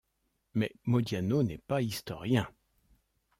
Mais Modiano n'est pas historien.